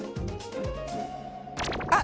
あっ！